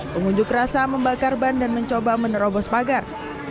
pengunjuk rasa membakar ban dan mencoba menerobos pagar